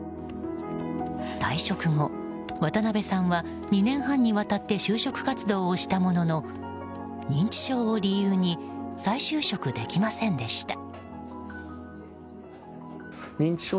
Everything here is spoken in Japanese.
退職後、渡邊さんは２年半にわたって就職活動をしたものの認知症を理由に再就職できませんでした。